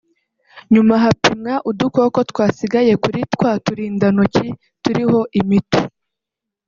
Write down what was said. nyuma hapimwa udukoko twasigaye kuri twa turindantoki turiho imiti